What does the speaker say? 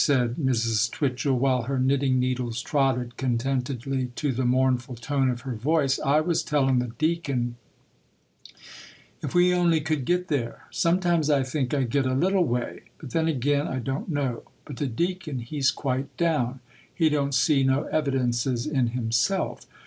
said Mrs. Twitchel, while her knitting needles trotted contentedly to the mournful tone of her voice,—'I was tellin' the Deacon, if we only could get there! Sometimes I think I get a little way,—but then ag'in I don't know; but the Deacon he's quite down,—he don't see no evidences in himself.